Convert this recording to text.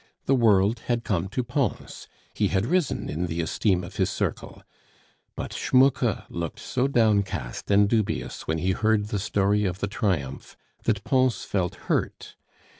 The world had come to Pons, he had risen in the esteem of his circle; but Schmucke looked so downcast and dubious when he heard the story of the triumph, that Pons felt hurt.